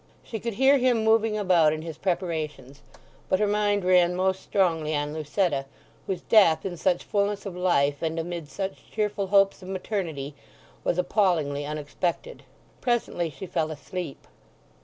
She could hear him moving about in his preparations; but her mind ran most strongly on Lucetta, whose death in such fulness of life and amid such cheerful hopes of maternity was appallingly unexpected. Presently she fell asleep.